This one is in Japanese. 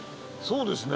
そうですね。